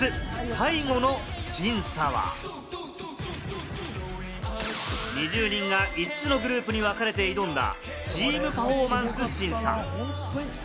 最後の審査は、２０人が５つのグループにわかれて挑んだチーム・パフォーマンス審査。